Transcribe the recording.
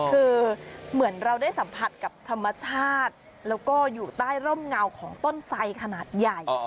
คือเหมือนเราได้สัมผัสกับธรรมชาติแล้วก็อยู่ใต้ร่มเงาของต้นไสขนาดใหญ่